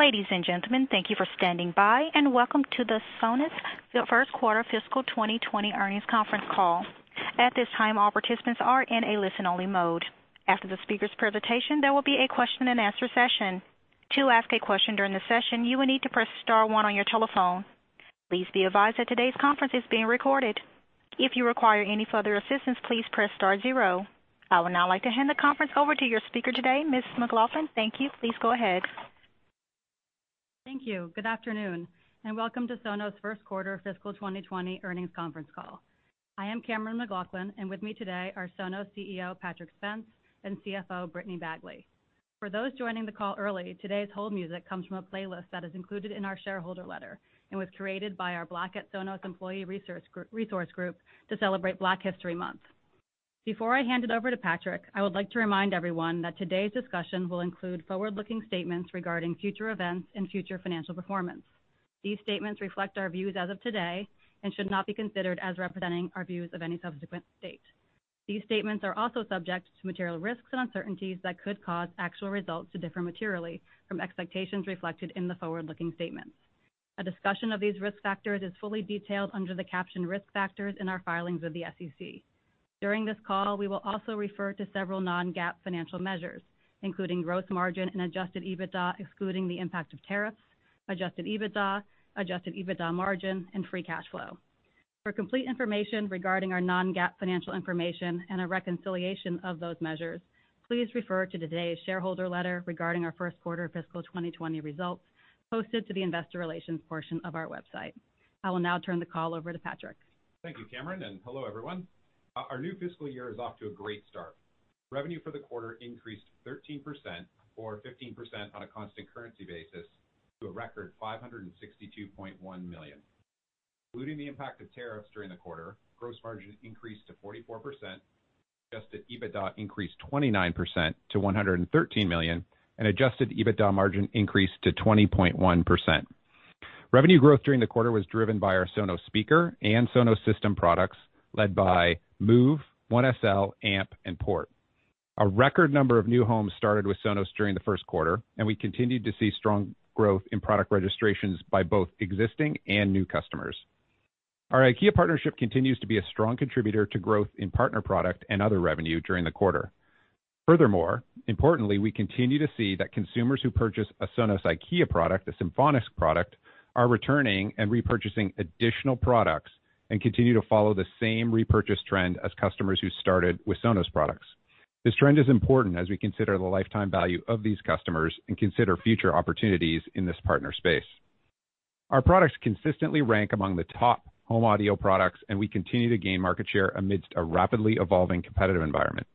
Ladies and gentlemen, thank you for standing by, and welcome to the Sonos Q1 Fiscal 2020 Earnings Conference Call. At this time, all participants are in a listen-only mode. After the speaker's presentation, there will be a question-and-answer session. To ask a question during the session, you will need to press star one on your telephone. Please be advised that today's conference is being recorded. If you require any further assistance, please press star zero. I would now like to hand the conference over to your speaker today, Ms. McLaughlin. Thank you. Please go ahead. Thank you. Good afternoon, and welcome to Sonos' Q1 fiscal 2020 Earnings Conference Call. I am Cammeron McLaughlin, and with me today are Sonos CEO, Patrick Spence, and CFO, Brittany Bagley. For those joining the call early, today's hold music comes from a playlist that is included in our shareholder letter and was created by our Black at Sonos employee resource group to celebrate Black History Month. Before I hand it over to Patrick, I would like to remind everyone that today's discussion will include forward-looking statements regarding future events and future financial performance. These statements reflect our views as of today and should not be considered as representing our views of any subsequent date. These statements are also subject to material risks and uncertainties that could cause actual results to differ materially from expectations reflected in the forward-looking statements. A discussion of these risk factors is fully detailed under the caption Risk Factors in our filings with the SEC. During this call, we will also refer to several non-GAAP financial measures, including gross margin and Adjusted EBITDA excluding the impact of tariffs, Adjusted EBITDA, Adjusted EBITDA margin, and free cash flow. For complete information regarding our non-GAAP financial information and a reconciliation of those measures, please refer to today's shareholder letter regarding our Q1 fiscal 2020 results posted to the investor relations portion of our website. I will now turn the call over to Patrick. Thank you, Cammeron, and hello, everyone. Our new fiscal year is off to a great start. Revenue for the quarter increased 13%, or 15% on a constant currency basis, to a record $562.1 million. Excluding the impact of tariffs during the quarter, gross margin increased to 44%, Adjusted EBITDA increased 29% to $113 million, and Adjusted EBITDA margin increased to 20.1%. Revenue growth during the quarter was driven by our Sonos speaker and Sonos system products led by Move, One SL, Amp, and Port. A record number of new homes started with Sonos during the Q1, and we continued to see strong growth in product registrations by both existing and new customers. Our IKEA partnership continues to be a strong contributor to growth in partner product and other revenue during the quarter. Furthermore, importantly, we continue to see that consumers who purchase a Sonos IKEA product, a SYMFONISK product, are returning and repurchasing additional products and continue to follow the same repurchase trend as customers who started with Sonos products. This trend is important as we consider the lifetime value of these customers and consider future opportunities in this partner space. Our products consistently rank among the top home audio products, and we continue to gain market share amidst a rapidly evolving competitive environment.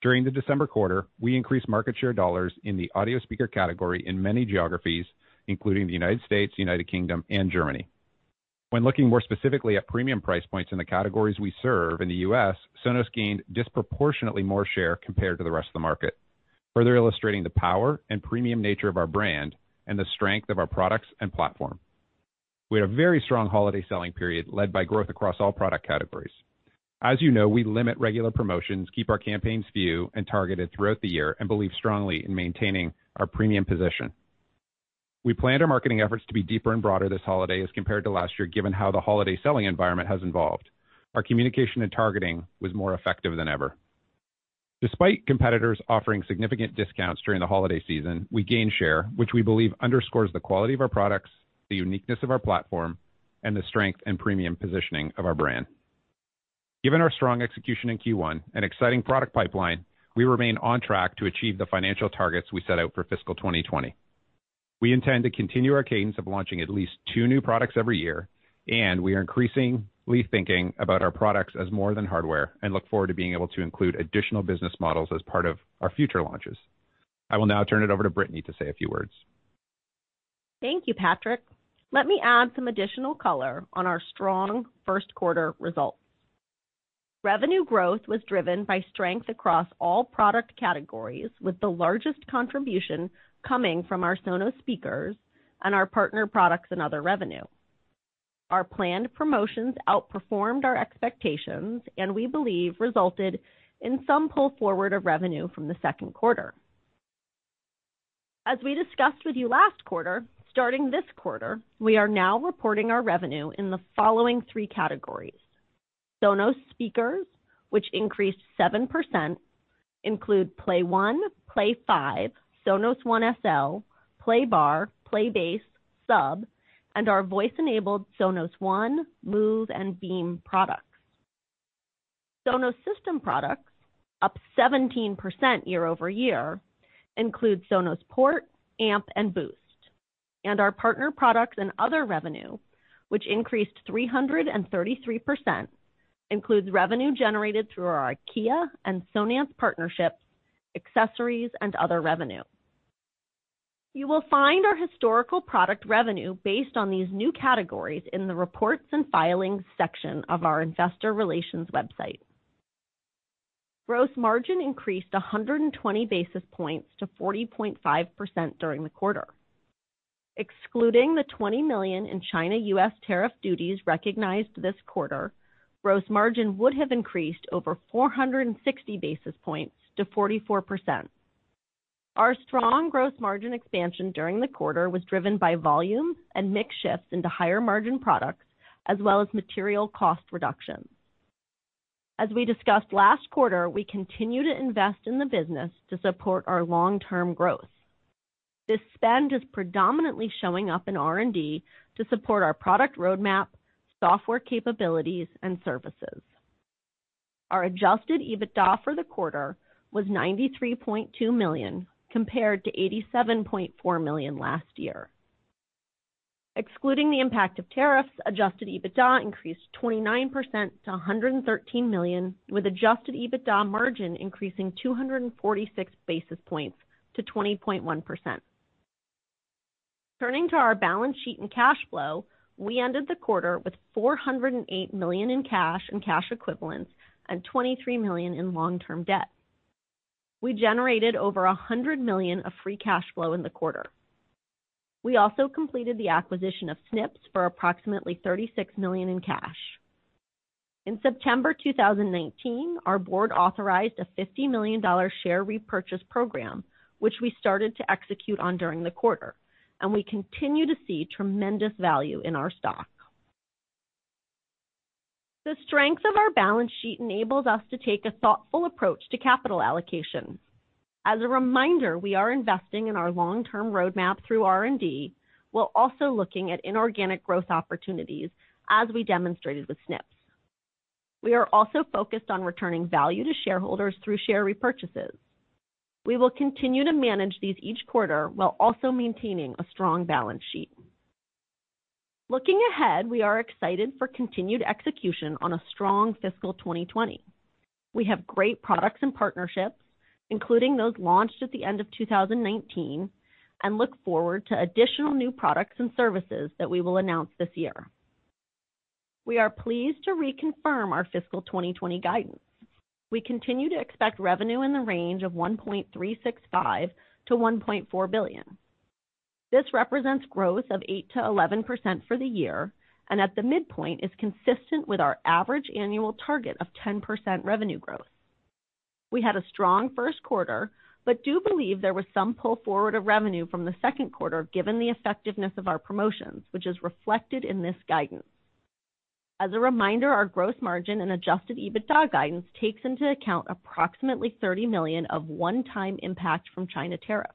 During the December quarter, we increased market share dollars in the audio speaker category in many geographies, including the U.S., U.K., and Germany. When looking more specifically at premium price points in the categories we serve in the U.S., Sonos gained disproportionately more share compared to the rest of the market, further illustrating the power and premium nature of our brand and the strength of our products and platform. We had a very strong holiday selling period led by growth across all product categories. As you know, we limit regular promotions, keep our campaigns few and targeted throughout the year, and believe strongly in maintaining our premium position. We planned our marketing efforts to be deeper and broader this holiday as compared to last year, given how the holiday selling environment has evolved. Our communication and targeting was more effective than ever. Despite competitors offering significant discounts during the holiday season, we gained share, which we believe underscores the quality of our products, the uniqueness of our platform, and the strength and premium positioning of our brand. Given our strong execution in Q1 and exciting product pipeline, we remain on track to achieve the financial targets we set out for fiscal 2020. We intend to continue our cadence of launching at least two new products every year, and we are increasingly thinking about our products as more than hardware and look forward to being able to include additional business models as part of our future launches. I will now turn it over to Brittany to say a few words. Thank you, Patrick. Let me add some additional color on our strong Q1 results. Revenue growth was driven by strength across all product categories, with the largest contribution coming from our Sonos speakers and our partner products and other revenue. Our planned promotions outperformed our expectations and we believe resulted in some pull forward of revenue from the Q2. As we discussed with you last quarter, starting this quarter, we are now reporting our revenue in the following three categories. Sonos speakers, which increased 7%, include Play 1, Play 5, Sonos One SL, Playbar, Playbase, Sub, and our voice-enabled Sonos One, Move, and Beam products. Sonos system products, up 17% year-over-year, include Sonos Port, Amp, and Boost. Our partner products and other revenue, which increased 333%, includes revenue generated through our IKEA and Sonance partnerships, accessories, and other revenue. You will find our historical product revenue based on these new categories in the Reports and Filings section of our investor relations website. Gross margin increased 120 basis points to 40.5% during the quarter. Excluding the $20 million in China/U.S. tariff duties recognized this quarter, gross margin would have increased over 460 basis points to 44%. Our strong gross margin expansion during the quarter was driven by volume and mix shifts into higher margin products, as well as material cost reductions. As we discussed last quarter, we continue to invest in the business to support our long-term growth. This spend is predominantly showing up in R&D to support our product roadmap, software capabilities, and services. Our Adjusted EBITDA for the quarter was $93.2 million, compared to $87.4 million last year. Excluding the impact of tariffs, Adjusted EBITDA increased 29% to $113 million, with Adjusted EBITDA margin increasing 246 basis points to 20.1%. Turning to our balance sheet and cash flow, we ended the quarter with $408 million in cash and cash equivalents and $23 million in long-term debt. We generated over $100 million of free cash flow in the quarter. We also completed the acquisition of Snips for approximately $36 million in cash. In September 2019, our board authorized a $50 million share repurchase program, which we started to execute on during the quarter, and we continue to see tremendous value in our stock. The strength of our balance sheet enables us to take a thoughtful approach to capital allocation. As a reminder, we are investing in our long-term roadmap through R&D, while also looking at inorganic growth opportunities, as we demonstrated with Snips. We are also focused on returning value to shareholders through share repurchases. We will continue to manage these each quarter while also maintaining a strong balance sheet. Looking ahead, we are excited for continued execution on a strong fiscal 2020. We have great products and partnerships, including those launched at the end of 2019, and look forward to additional new products and services that we will announce this year. We are pleased to reconfirm our fiscal 2020 guidance. We continue to expect revenue in the range of $1.365 billion-$1.4 billion. This represents growth of 8%-11% for the year, and at the midpoint is consistent with our average annual target of 10% revenue growth. We had a strong Q1, but do believe there was some pull forward of revenue from the Q2, given the effectiveness of our promotions, which is reflected in this guidance. As a reminder, our gross margin and Adjusted EBITDA guidance takes into account approximately $30 million of one-time impact from China tariffs.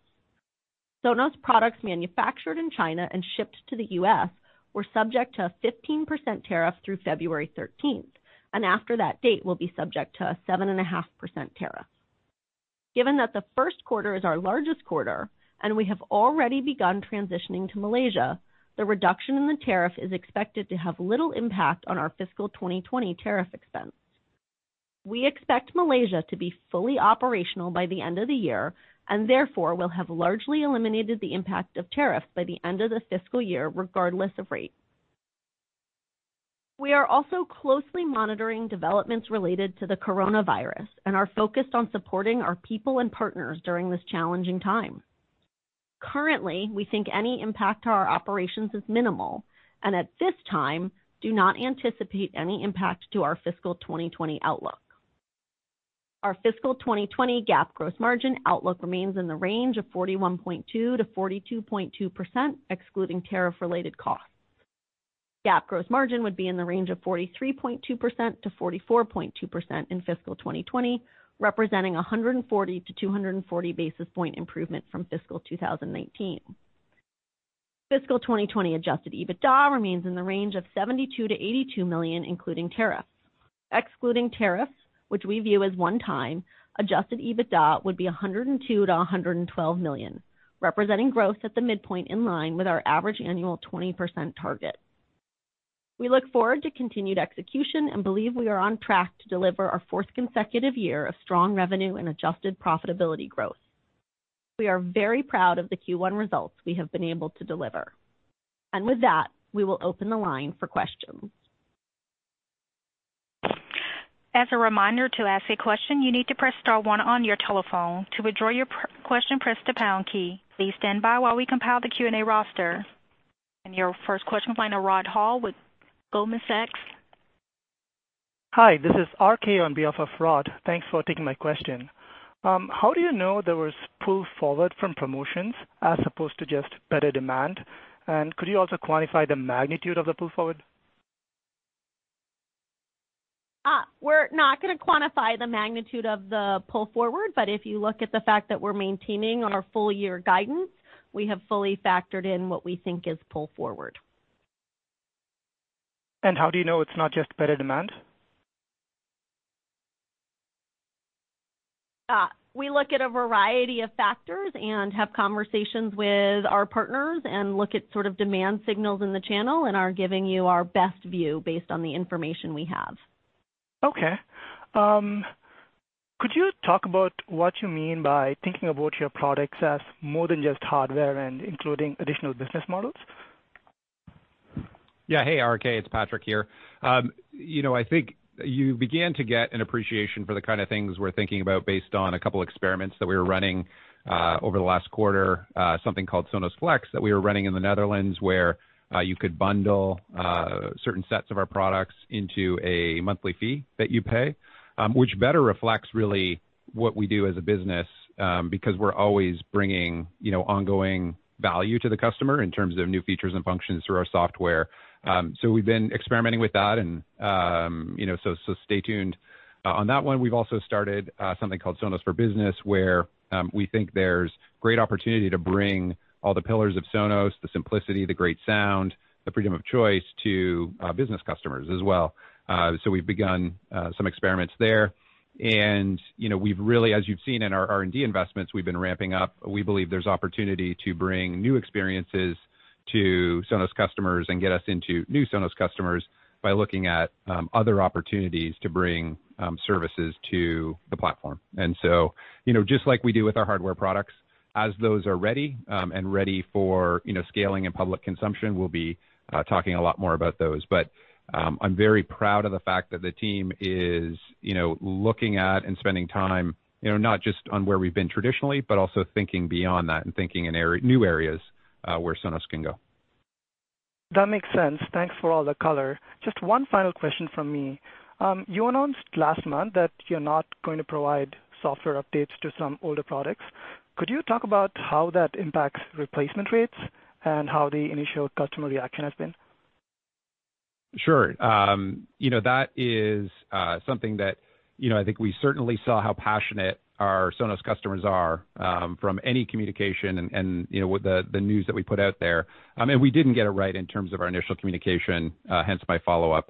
Sonos products manufactured in China and shipped to the U.S. were subject to a 15% tariff through February 13th, and after that date will be subject to a 7.5% tariff. Given that Q1 is our largest quarter and we have already begun transitioning to Malaysia, the reduction in the tariff is expected to have little impact on our fiscal 2020 tariff expense. We expect Malaysia to be fully operational by the end of the year and therefore will have largely eliminated the impact of tariffs by the end of the fiscal year, regardless of rate. We are also closely monitoring developments related to the coronavirus and are focused on supporting our people and partners during this challenging time. Currently, we think any impact to our operations is minimal and at this time do not anticipate any impact to our fiscal 2020 outlook. Our fiscal 2020 GAAP gross margin outlook remains in the range of 41.2%-42.2%, excluding tariff related costs. GAAP gross margin would be in the range of 43.2%-44.2% in fiscal 2020, representing a 140-240 basis point improvement from fiscal 2019. Fiscal 2020 Adjusted EBITDA remains in the range of $72 million-$82 million, including tariffs. Excluding tariffs, which we view as one time, Adjusted EBITDA would be $102 million-$112 million, representing growth at the midpoint in line with our average annual 20% target. We look forward to continued execution and believe we are on track to deliver our fourth consecutive year of strong revenue and adjusted profitability growth. We are very proud of the Q1 results we have been able to deliver. With that, we will open the line for questions. As a reminder, to ask a question, you need to press star one on your telephone. To withdraw your question, press the pound key. Please stand by while we compile the Q&A roster. Your first question from the line of Rod Hall with Goldman Sachs. Hi, this is RK on behalf of Rod. Thanks for taking my question. How do you know there was pull forward from promotions as opposed to just better demand? Could you also quantify the magnitude of the pull forward? We're not going to quantify the magnitude of the pull forward, but if you look at the fact that we're maintaining on our full year guidance, we have fully factored in what we think is pull forward. How do you know it's not just better demand? We look at a variety of factors and have conversations with our partners and look at sort of demand signals in the channel and are giving you our best view based on the information we have. Okay. Could you talk about what you mean by thinking about your products as more than just hardware and including additional business models? Yeah. Hey, RK, it's Patrick here. I think you began to get an appreciation for the kind of things we're thinking about based on a couple experiments that we were running over the last quarter. Something called Sonos Flex that we were running in the Netherlands, where you could bundle certain sets of our products into a monthly fee that you pay, which better reflects really what we do as a business, because we're always bringing ongoing value to the customer in terms of new features and functions through our software. We've been experimenting with that, so stay tuned. On that one, we've also started something called Sonos Pro, where we think there's great opportunity to bring all the pillars of Sonos, the simplicity, the great sound, the freedom of choice, to business customers as well. We've begun some experiments there. We've really, as you've seen in our R&D investments, we've been ramping up. We believe there's opportunity to bring new experiences to Sonos customers and get us into new Sonos customers by looking at other opportunities to bring services to the platform. Just like we do with our hardware products, as those are ready and ready for scaling and public consumption, we'll be talking a lot more about those. I'm very proud of the fact that the team is looking at and spending time not just on where we've been traditionally, but also thinking beyond that and thinking in new areas where Sonos can go. That makes sense. Thanks for all the color. Just one final question from me. You announced last month that you're not going to provide software updates to some older products. Could you talk about how that impacts replacement rates and how the initial customer reaction has been? Sure. That is something that I think I certainly saw how passionate our Sonos customers are from any communication and with the news that we put out there. We didn't get it right in terms of our initial communication, hence my follow-up.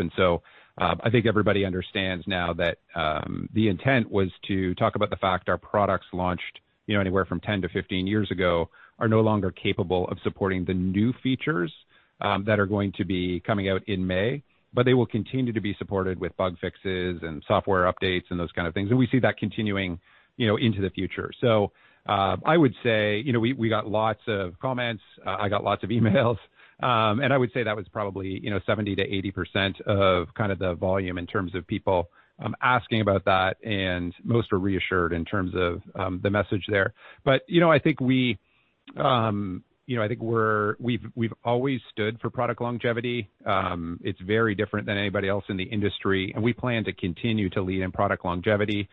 I think everybody understands now that the intent was to talk about the fact our products launched anywhere from 10 to 15 years ago are no longer capable of supporting the new features that are going to be coming out in May, but they will continue to be supported with bug fixes and software updates and those kind of things. We see that continuing into the future. I would say, we got lots of comments. I got lots of emails. I would say that was probably 70% to 80% of kind of the volume in terms of people asking about that, and most were reassured in terms of the message there. I think we've always stood for product longevity. It's very different than anybody else in the industry, and we plan to continue to lead in product longevity.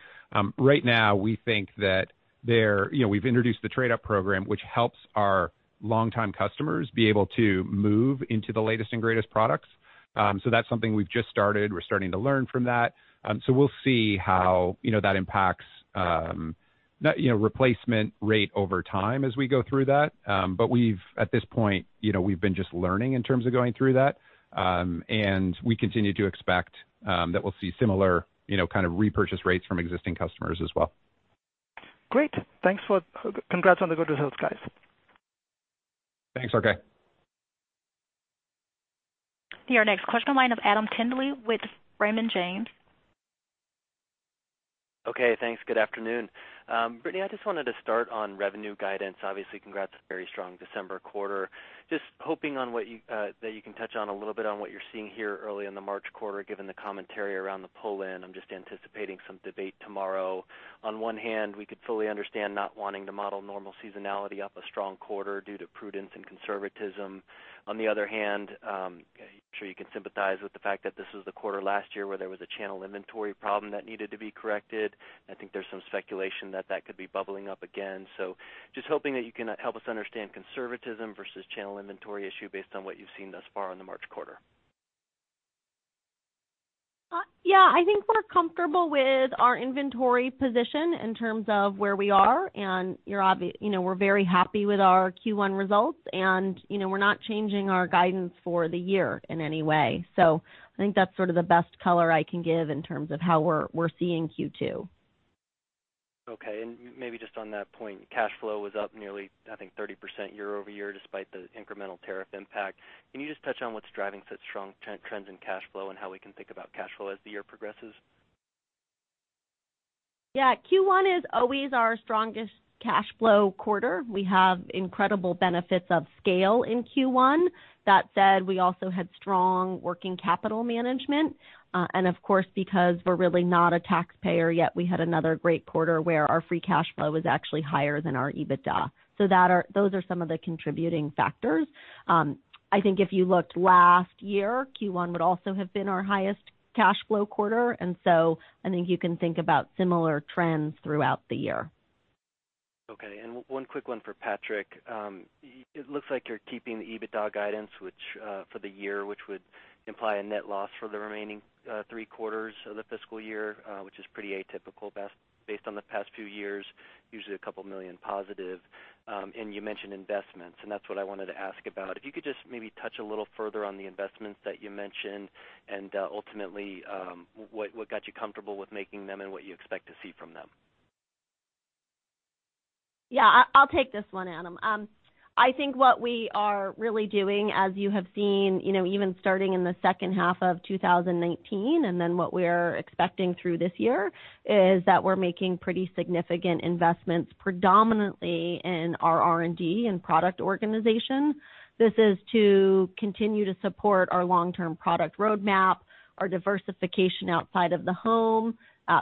Right now, we think that we've introduced the Trade Up program, which helps our longtime customers be able to move into the latest and greatest products. That's something we've just started. We're starting to learn from that. We'll see how that impacts replacement rate over time as we go through that. At this point, we've been just learning in terms of going through that. We continue to expect that we'll see similar kind of repurchase rates from existing customers as well. Great. Congrats on the good results, guys. Thanks, RK. Your next question line is Adam Tindle with Raymond James. Okay, thanks. Good afternoon. Brittany, I just wanted to start on revenue guidance. Obviously, congrats, a very strong December quarter. Just hoping that you can touch on a little bit on what you're seeing here early in the March quarter, given the commentary around the pull-in. I'm just anticipating some debate tomorrow. On one hand, we could fully understand not wanting to model normal seasonality off a strong quarter due to prudence and conservatism. On the other hand, I'm sure you can sympathize with the fact that this was the quarter last year where there was a channel inventory problem that needed to be corrected, and I think there's some speculation that that could be bubbling up again. Just hoping that you can help us understand conservatism versus channel inventory issue based on what you've seen thus far in the March quarter. Yeah, I think we're comfortable with our inventory position in terms of where we are, and we're very happy with our Q1 results, and we're not changing our guidance for the year in any way. I think that's sort of the best color I can give in terms of how we're seeing Q2. Okay. Maybe just on that point, cash flow was up nearly, I think, 30% year-over-year despite the incremental tariff impact. Can you just touch on what's driving such strong trends in cash flow and how we can think about cash flow as the year progresses? Yeah. Q1 is always our strongest cash flow quarter. We have incredible benefits of scale in Q1. That said, we also had strong working capital management. Of course, because we're really not a taxpayer yet, we had another great quarter where our free cash flow was actually higher than our EBITDA. Those are some of the contributing factors. I think if you looked last year, Q1 would also have been our highest cash flow quarter, and so I think you can think about similar trends throughout the year. Okay. One quick one for Patrick. It looks like you're keeping the EBITDA guidance for the year, which would imply a net loss for the remaining three quarters of the fiscal year, which is pretty atypical based on the past few years, usually a couple million positive. You mentioned investments, and that's what I wanted to ask about. If you could just maybe touch a little further on the investments that you mentioned and ultimately what got you comfortable with making them and what you expect to see from them? Yeah, I'll take this one, Adam. I think what we are really doing, as you have seen, even starting in the second half of 2019, and then what we're expecting through this year, is that we're making pretty significant investments, predominantly in our R&D and product organization. This is to continue to support our long-term product roadmap, our diversification outside of the home.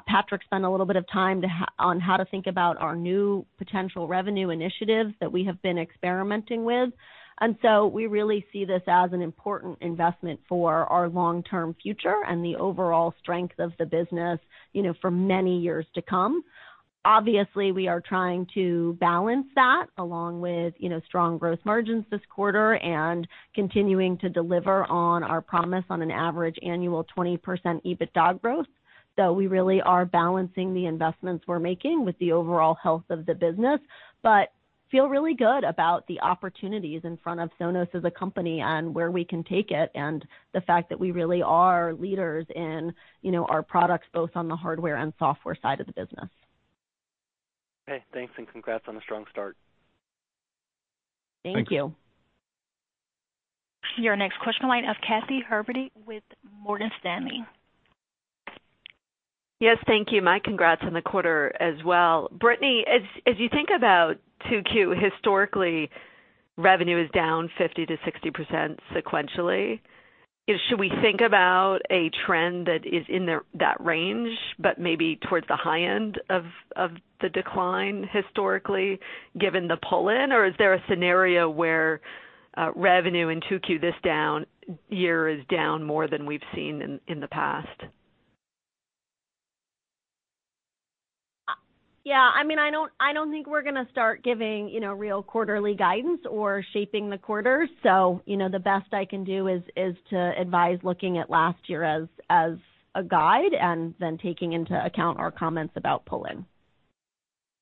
Patrick spent a little bit of time on how to think about our new potential revenue initiatives that we have been experimenting with. We really see this as an important investment for our long-term future and the overall strength of the business for many years to come. Obviously, we are trying to balance that along with strong growth margins this quarter and continuing to deliver on our promise on an average annual 20% EBITDA growth. We really are balancing the investments we're making with the overall health of the business, but feel really good about the opportunities in front of Sonos as a company and where we can take it, and the fact that we really are leaders in our products, both on the hardware and software side of the business. Okay, thanks. Congrats on a strong start. Thank you. Your next question line of Katy Huberty with Morgan Stanley. Yes, thank you. My congrats on the quarter as well. Brittany, as you think about Q2, historically, revenue is down 50%-60% sequentially. Should we think about a trend that is in that range, but maybe towards the high end of the decline historically, given the pull-in? Or is there a scenario where revenue in Q2 this year is down more than we've seen in the past? Yeah. I don't think we're going to start giving real quarterly guidance or shaping the quarter. The best I can do is to advise looking at last year as a guide and then taking into account our comments about pull-in.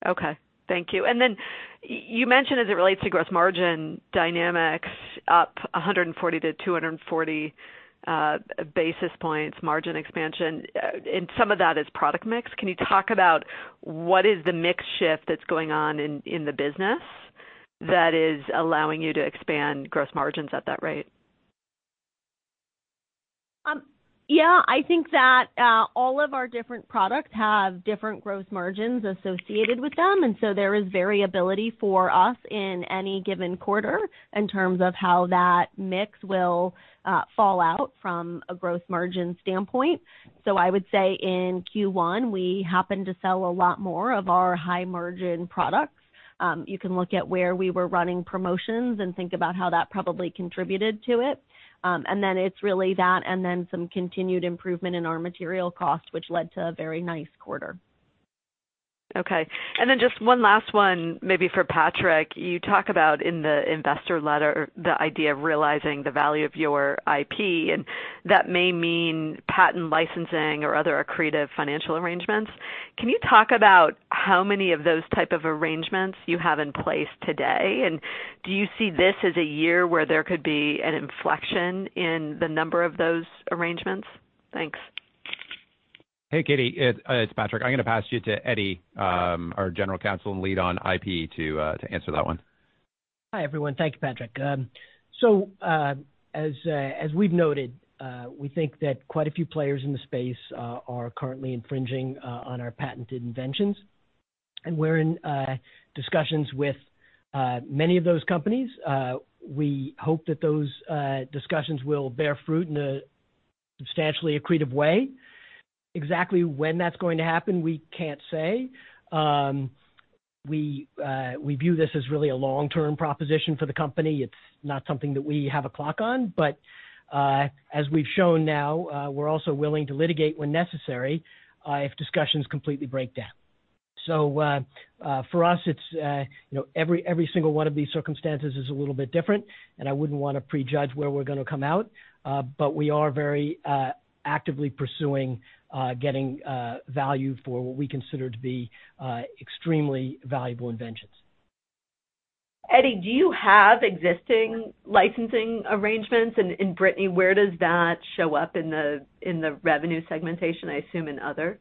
Okay, thank you. Then you mentioned as it relates to gross margin dynamics, up 140 to 240 basis points margin expansion, and some of that is product mix. Can you talk about what is the mix shift that's going on in the business that is allowing you to expand gross margins at that rate? Yeah. I think that all of our different products have different gross margins associated with them, there is variability for us in any given quarter in terms of how that mix will fall out from a gross margin standpoint. I would say in Q1, we happened to sell a lot more of our high-margin products. You can look at where we were running promotions and think about how that probably contributed to it. Then it's really that, and then some continued improvement in our material cost, which led to a very nice quarter. Okay. Just one last one, maybe for Patrick. You talk about in the investor letter the idea of realizing the value of your IP, and that may mean patent licensing or other accretive financial arrangements. Can you talk about how many of those type of arrangements you have in place today? Do you see this as a year where there could be an inflection in the number of those arrangements? Thanks. Hey, Katy. It's Patrick. I'm going to pass you to Eddie, our general counsel and lead on IP to answer that one. Hi, everyone. Thank you, Patrick. As we've noted, we think that quite a few players in the space are currently infringing on our patented inventions, and we're in discussions with many of those companies. We hope that those discussions will bear fruit in a substantially accretive way. Exactly when that's going to happen, we can't say. We view this as really a long-term proposition for the company. It's not something that we have a clock on, but as we've shown now, we're also willing to litigate when necessary, if discussions completely break down. For us, every single one of these circumstances is a little bit different, and I wouldn't want to prejudge where we're going to come out. We are very actively pursuing getting value for what we consider to be extremely valuable inventions. Eddie, do you have existing licensing arrangements? And Brittany, where does that show up in the revenue segmentation? I assume in other.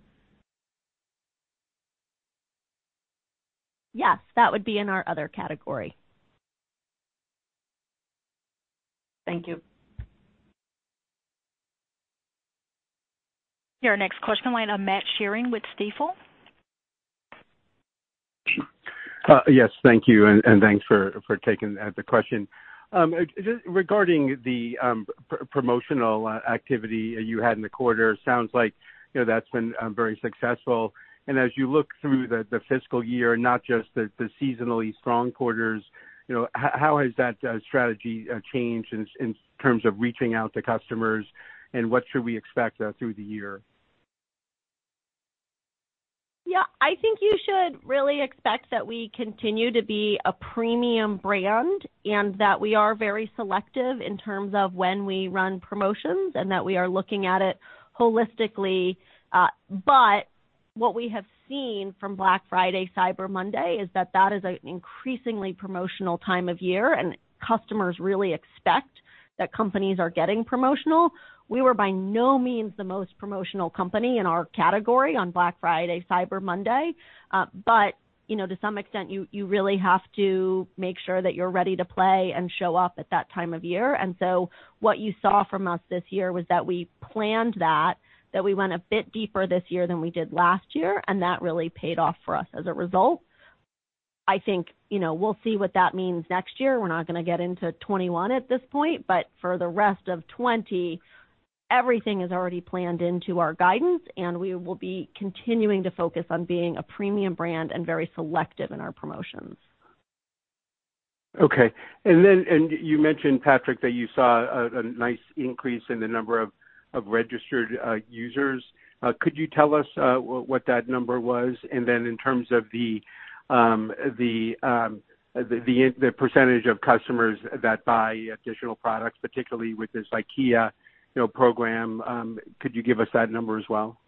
Yes, that would be in our other category. Thank you. Your next question line, Matt Sheerin with Stifel. Yes. Thank you, thanks for taking the question. Regarding the promotional activity you had in the quarter, sounds like that's been very successful. As you look through the fiscal year, not just the seasonally strong quarters, how has that strategy changed in terms of reaching out to customers, and what should we expect through the year? Yeah, I think you should really expect that we continue to be a premium brand and that we are very selective in terms of when we run promotions and that we are looking at it holistically. What we have seen from Black Friday, Cyber Monday, is that that is an increasingly promotional time of year and customers really expect that companies are getting promotional. We were by no means the most promotional company in our category on Black Friday, Cyber Monday. To some extent, you really have to make sure that you're ready to play and show up at that time of year. What you saw from us this year was that we planned that we went a bit deeper this year than we did last year, and that really paid off for us as a result. I think we'll see what that means next year. We're not going to get into 2021 at this point. For the rest of 2020, everything is already planned into our guidance, and we will be continuing to focus on being a premium brand and very selective in our promotions. Okay. You mentioned, Patrick, that you saw a nice increase in the number of registered users. Could you tell us what that number was? Then in terms of the percentage of customers that buy additional products, particularly with this IKEA program, could you give us that number as well?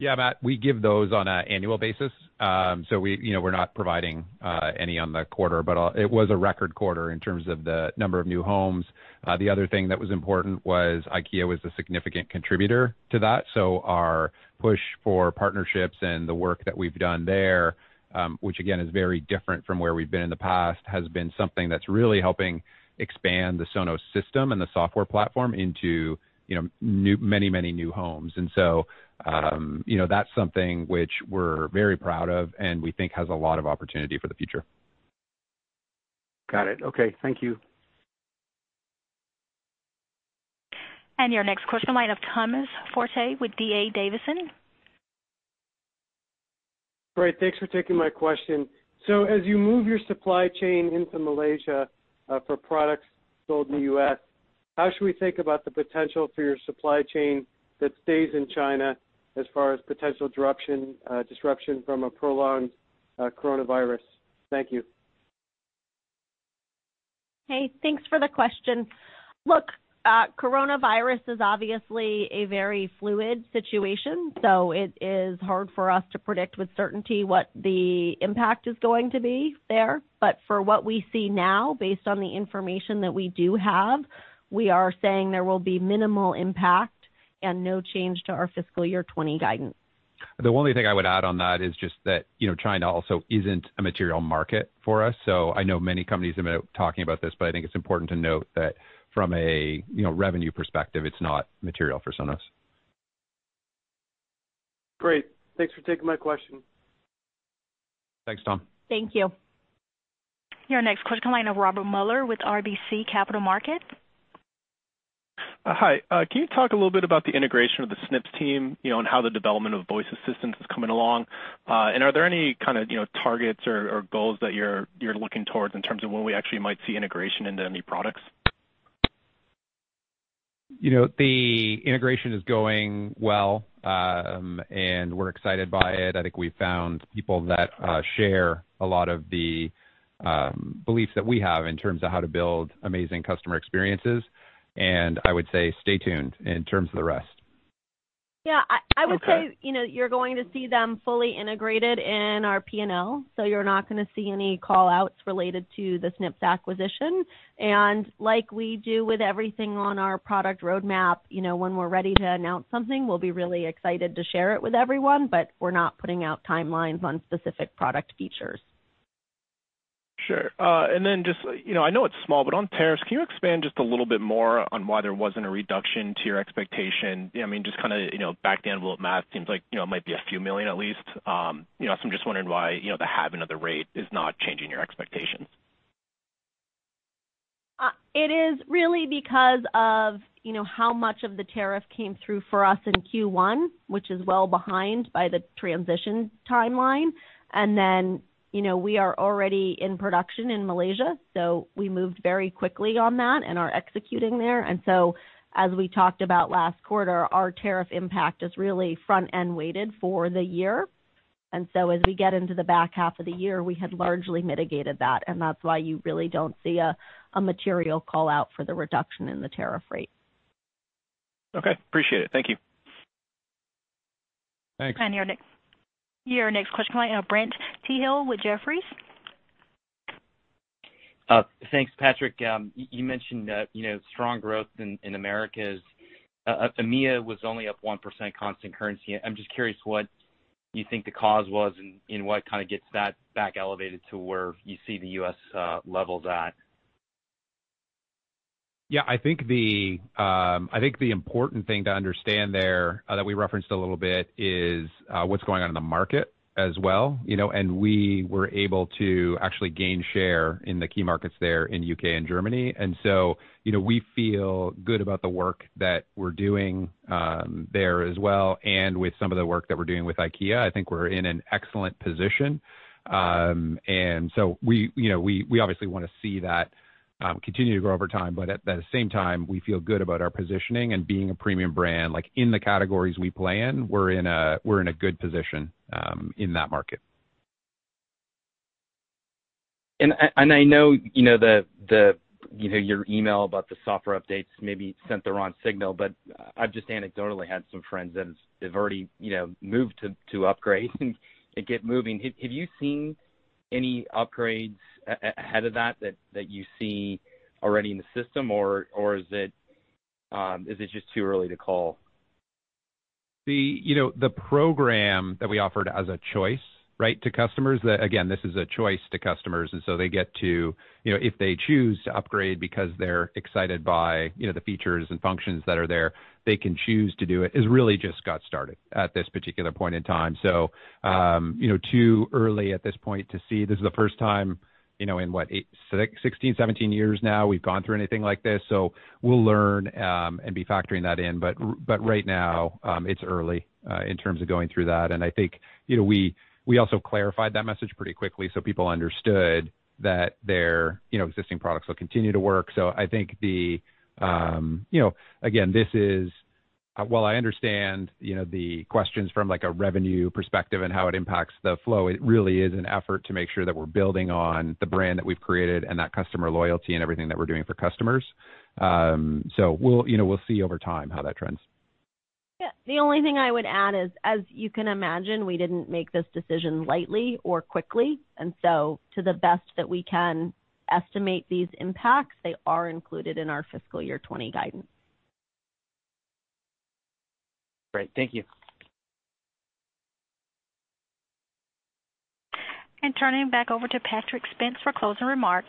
Yeah, Matt, we give those on an annual basis. We're not providing any on the quarter, but it was a record quarter in terms of the number of new homes. The other thing that was important was IKEA was a significant contributor to that. Our push for partnerships and the work that we've done there, which again, is very different from where we've been in the past, has been something that's really helping expand the Sonos system and the software platform into many new homes. That's something which we're very proud of and we think has a lot of opportunity for the future. Got it. Okay. Thank you. Your next question line of Thomas Forte with D.A. Davidson. Great. Thanks for taking my question. As you move your supply chain into Malaysia for products sold in the U.S., how should we think about the potential for your supply chain that stays in China as far as potential disruption from a prolonged coronavirus? Thank you. Hey, thanks for the question. Look, coronavirus is obviously a very fluid situation, so it is hard for us to predict with certainty what the impact is going to be there. For what we see now, based on the information that we do have, we are saying there will be minimal impact and no change to our fiscal year 2020 guidance. The only thing I would add on that is just that China also isn't a material market for us. I know many companies have been talking about this, but I think it's important to note that from a revenue perspective, it's not material for Sonos. Great. Thanks for taking my question. Thanks, Thomas. Thank you. Your next question line of Robert Muller with RBC Capital Markets. Hi. Can you talk a little bit about the integration of the Snips team, and how the development of voice assistance is coming along? Are there any kind of targets or goals that you're looking towards in terms of when we actually might see integration into any products? The integration is going well, and we're excited by it. I think we've found people that share a lot of the beliefs that we have in terms of how to build amazing customer experiences, and I would say stay tuned in terms of the rest. Yeah. Okay. You're going to see them fully integrated in our P&L. You're not going to see any call-outs related to the Snips acquisition. Like we do with everything on our product roadmap, when we're ready to announce something, we'll be really excited to share it with everyone. We're not putting out timelines on specific product features. Sure. Just, I know it's small, but on tariffs, can you expand just a little bit more on why there wasn't a reduction to your expectation. Just kind of back of the envelope math seems like it might be a few million at least. I'm just wondering why the halving of the rate is not changing your expectations. It is really because of how much of the tariff came through for us in Q1, which is well behind by the transition timeline. We are already in production in Malaysia, so we moved very quickly on that and are executing there. As we talked about last quarter, our tariff impact is really front-end weighted for the year. As we get into H2 of the year, we had largely mitigated that, and that's why you really don't see a material call-out for the reduction in the tariff rate. Okay. Appreciate it. Thank you. Thanks. Your next question coming out, Brent Thill with Jefferies. Thanks, Patrick. You mentioned strong growth in Americas. EMEA was only up 1% constant currency. I'm just curious what you think the cause was and what kind of gets that back elevated to where you see the U.S. levels at. Yeah, I think the important thing to understand there that we referenced a little bit is what's going on in the market as well. We were able to actually gain share in the key markets there in the U.K. and Germany. We feel good about the work that we're doing there as well, and with some of the work that we're doing with IKEA, I think we're in an excellent position. We obviously want to see that continue to grow over time. At the same time, we feel good about our positioning and being a premium brand. In the categories we play in, we're in a good position in that market. I know your email about the software updates maybe sent the wrong signal, but I've just anecdotally had some friends that have already moved to upgrade and get moving. Have you seen any upgrades ahead of that that you see already in the system, or is it just too early to call? The program that we offered as a choice to customers, again, this is a choice to customers, if they choose to upgrade because they're excited by the features and functions that are there, they can choose to do it, has really just got started at this particular point in time. Too early at this point to see. This is the first time in what, 16, 17 years now we've gone through anything like this. We'll learn and be factoring that in. Right now, it's early in terms of going through that. I think we also clarified that message pretty quickly so people understood that their existing products will continue to work. I think, again, while I understand the questions from a revenue perspective and how it impacts the flow, it really is an effort to make sure that we're building on the brand that we've created and that customer loyalty and everything that we're doing for customers. We'll see over time how that trends. Yeah. The only thing I would add is, as you can imagine, we didn't make this decision lightly or quickly. To the best that we can estimate these impacts, they are included in our fiscal year 2020 guidance. Great. Thank you. Turning back over to Patrick Spence for closing remarks.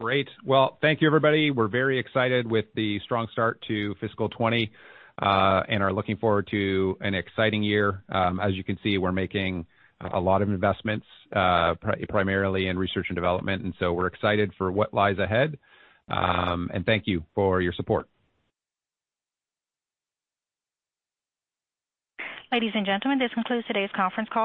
Great. Well, thank you everybody. We're very excited with the strong start to fiscal 2020, and are looking forward to an exciting year. As you can see, we're making a lot of investments, primarily in research and development, and so we're excited for what lies ahead. Thank you for your support. Ladies and gentlemen, this concludes today's conference call.